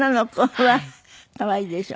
うわ可愛いでしょ。